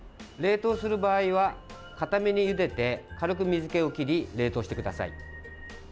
冷凍する場合は、かためにゆでて軽く水けを切り冷凍してください。